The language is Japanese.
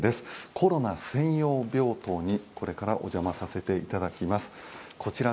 コロナ専用病棟にこれからお邪魔させていただきます。